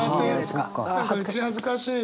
ああ恥ずかしい。